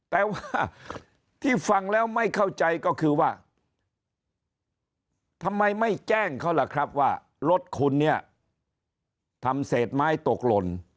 แต่ว่าที่ฟังแล้วไม่เข้าใจก็คือว่าทำไมไม่แจ้งเขาล่ะครับว่ารถคุณเนี่ยทำเศษไม้ตกหล่น